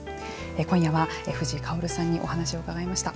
今夜は、藤井薫さんにお話を伺いました。